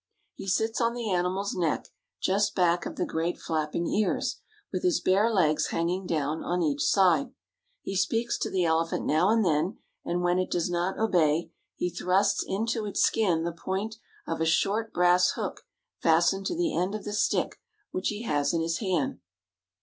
He sits on the animal's neck just back of the great flapping ears, with his bare legs hanging down on each side. He speaks to the elephant now and then, and when it does not obey, he thrusts into its skin the point of a short brass hook fastened to the end of the stick which he has in his hand.